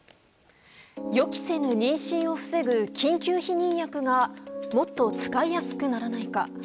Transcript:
予期せぬ妊娠を防ぐ緊急避妊薬がもっと使いやすくならないか。